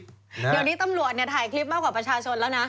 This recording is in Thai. เดี๋ยวนี้ตำรวจเนี่ยถ่ายคลิปมากกว่าประชาชนแล้วนะ